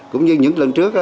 cũng như những lần trước